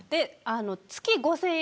月５０００円